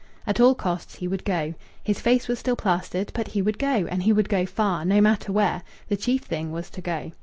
At all costs he would go. His face was still plastered; but he would go, and he would go far, no matter where! The chief thing was to go.